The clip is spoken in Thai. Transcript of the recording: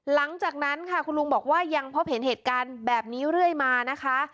หลังจากนั้นค่ะคุณลุงบอกว่ายังพบเห็นเหตุการณ์แบบนี้เรื่อยมานะคะ